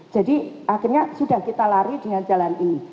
jadi akhirnya sudah kita lari dengan jalan ini